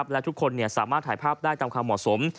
และทุกคนสามารถถ่ายภาพได้ตามความเหมาะสม